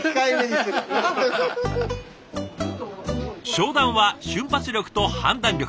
商談は瞬発力と判断力。